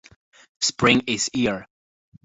Spring Is Here